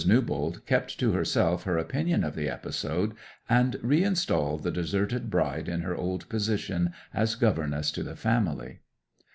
Newbold kept to herself her opinion of the episode, and reinstalled the deserted bride in her old position as governess to the family.